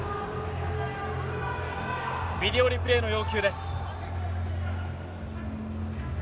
ビデオリプレイの要求です。